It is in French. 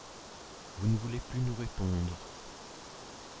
Vous ne voulez plus nous répondre ?